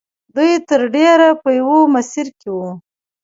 دوی تر ډېره په یوه مسیر کې وو